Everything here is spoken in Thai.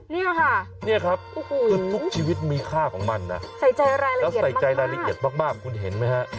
นี่ค่ะนี่ครับทุกชีวิตมีค่าของมันนะใส่ใจรายละเอียดมากคุณเห็นไหมครับ